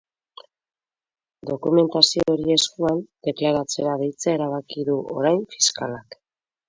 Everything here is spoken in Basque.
Dokumentazio hori eskuan, deklaratzera deitzea erabaki du orain fiskalak.